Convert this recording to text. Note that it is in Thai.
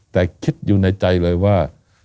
แต่คิดอยู่ในใจเลยว่า